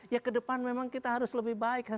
ya ke depan memang kita harus lebih baik